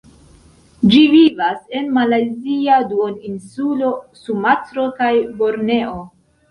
Ĝi vivas en Malajzia Duoninsulo, Sumatro kaj Borneo.